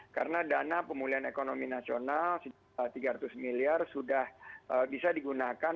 karena dana pemulihan ekonomi nasional rp tiga ratus miliar sudah bisa digunakan